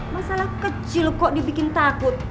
masalah kecil kok dibikin takut